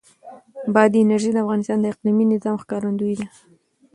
بادي انرژي د افغانستان د اقلیمي نظام ښکارندوی ده.